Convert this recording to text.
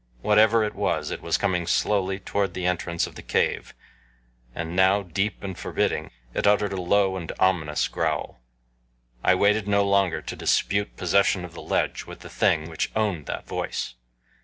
Whatever it was, it was coming slowly toward the entrance of the cave, and now, deep and forbidding, it uttered a low and ominous growl. I waited no longer to dispute possession of the ledge with the thing which owned that voice.